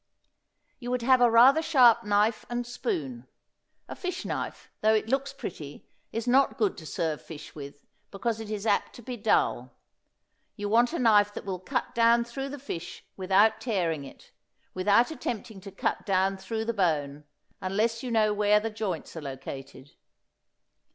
You would have a rather sharp knife and spoon; a fish knife, though it looks pretty, is not good to serve fish with because it is apt to be dull; you want a knife that will cut down through the fish without tearing it, without attempting to cut down through the bone, unless you know where the joints are located.